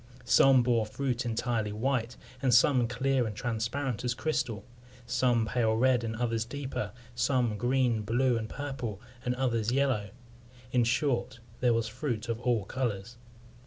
Some bore fruit entirely white, and some clear and transparent as crystal; some pale red, and others deeper; some green, blue, and purple, and others yellow; in short, there was fruit of all colours.